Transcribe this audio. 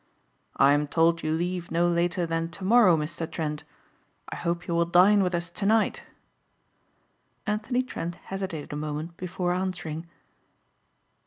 "I am told you leave no later than tomorrow, Mr. Trent, I hope you will dine with us tonight." Anthony Trent hesitated a moment before answering.